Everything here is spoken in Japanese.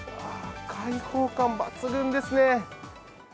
開放感抜群ですね。